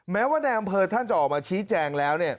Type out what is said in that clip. แม้ว่าในอำเภอท่านจะออกมาชี้แจงแล้ว